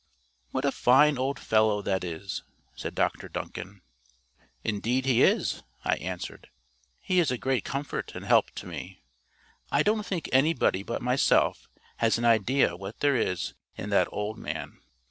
"What a fine old fellow that is!" said Dr Duncan. "Indeed he is," I answered. "He is a great comfort and help to me. I don't think anybody but myself has an idea what there is in that old man."